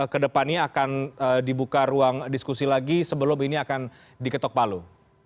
kedepannya akan dibuka ruang diskusi lagi sebelum ini akan diketok palu